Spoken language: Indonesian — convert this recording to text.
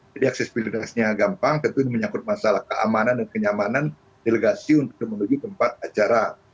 jadi aksesibilitasnya gampang tentu menyangkut masalah keamanan dan kenyamanan delegasi untuk menuju tempat acara